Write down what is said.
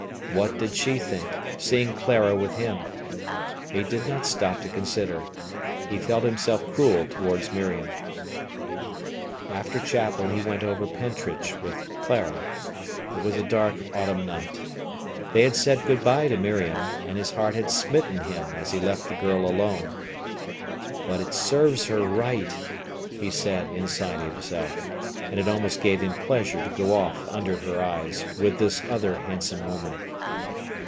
What did she think, seeing Clara with him? He did not stop to consider. He felt himself cruel towards Miriam. After chapel he went over Pentrich with Clara. It was a dark autumn night. They had said good bye to Miriam, and his heart had smitten him as he left the girl alone. "But it serves her right," he said inside himself, and it almost gave him pleasure to go off under her eyes with this other handsome woman.